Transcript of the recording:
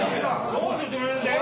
・・どうして止めるんだよ！